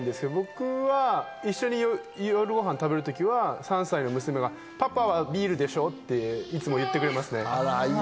僕は一緒に夜ご飯を食べる時は３歳の娘が、パパはビールでしょうといつも言ってくれますね。